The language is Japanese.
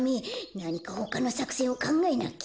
なにかほかのさくせんをかんがえなきゃ。